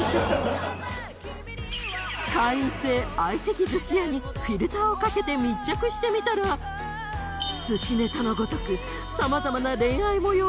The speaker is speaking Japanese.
会員制相席寿司屋にフィルターをかけて密着してみたら寿司ネタのごとく。